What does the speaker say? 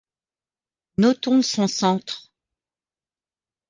Notons son centre.